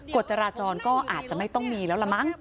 กฎจราจรก็อาจจะไม่ต้องมีแล้วละมั้ง